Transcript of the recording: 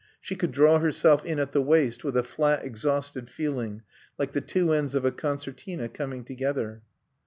She could draw herself in at the waist with a flat, exhausted feeling, like the two ends of a concertina coming together.